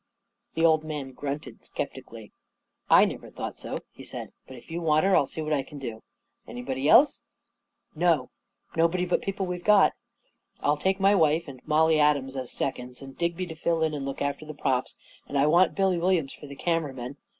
The old man grunted skeptically. 44 1 never thought so," he said. " But if you want her, I'll see what I can do. Anybody else ?" 41 No — nobody but people we've got. I'll take my wife and Mollie Adams as seconds; and Digby to fill in and look after the props ; and I want Billy W'Uiams for the cameraman.